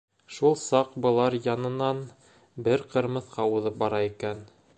Шул саҡ былар янынан бер Ҡырмыҫҡа уҙып бара икән.